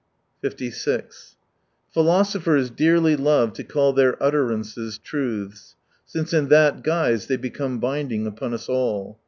56 Philosophers dearly love to call their utterances " truths," since in that guise they become binding upon us all.